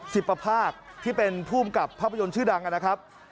สิบประภาคที่เป็นภูมิกับภาพยนตร์ชื่อดังนะครับ